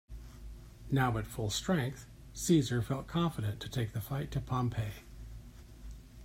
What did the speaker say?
Now at full strength, Caesar felt confident to take the fight to Pompey.